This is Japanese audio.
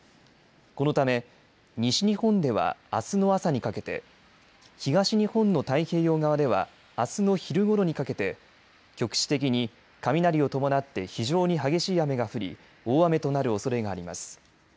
このため、西日本ではあすの朝にかけて東日本の太平洋側ではあすの昼ごろにかけて局地的に雷を伴って非常に激しい雨が降り大雨となるおそれがあります。